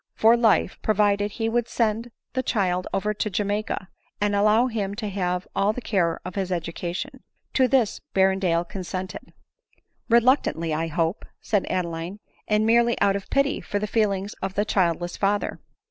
for life, provided he would send the child over to Jamaica, and allow him to have all the care of his education. To this Berrendale consented." " Reluctantly, I hope," said Adeline, " and merely out of pity for the feelings of the childless father."